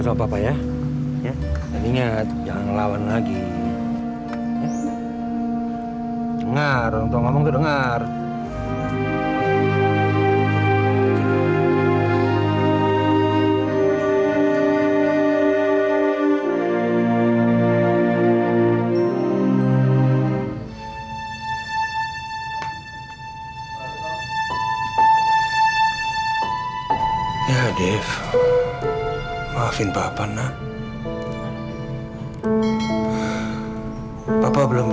saya enggak takut saya jelas